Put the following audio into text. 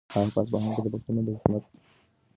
هغه په اصفهان کې د پښتنو د عظمت او وقار بیرغ جګ کړ.